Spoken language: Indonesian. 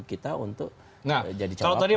kita untuk jadi cawapres nah kalau tadi